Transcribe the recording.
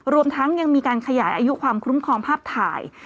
รวมทั้งยังมีการขยายอายุความคุ้มครองภาพถ่าย